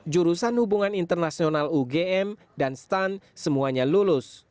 jurusan hubungan internasional ugm dan stand semuanya lulus